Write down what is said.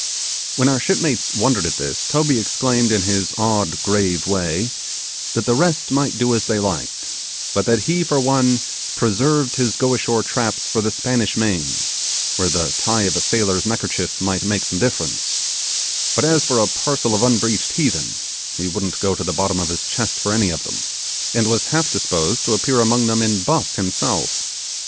When our shipmates wondered at this, Toby exclaimed in his odd grave way that the rest might do, as they liked, but that he for one preserved his go ashore traps for the Spanish main, where the tie of a sailor's neckerchief might make some difference; but as for a parcel of unbreeched heathen, he wouldn't go to the bottom of his chest for any of them, and was half disposed to appear among them in buff himself.